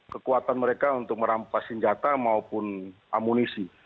kekuatan mereka untuk merampas senjata maupun amunisi